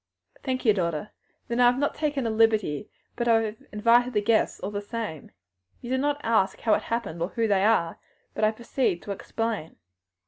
"Thank you, daughter; then I have not taken a liberty, but I have invited the guests all the same. You do not ask how it happened or who they are, but I proceed to explain.